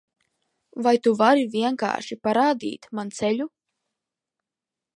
Vai tu vari vienkārši parādīt man ceļu?